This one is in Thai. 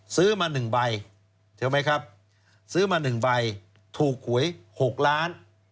ซื้อมา๑ใบถูกหวย๖ล้าน